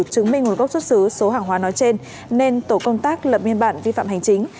chứng minh nguồn gốc xuất xứ số hàng hóa nói trên nên tổ công tác lập biên bản vi phạm hành chính